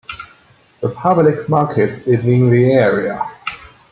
The public market is in the area.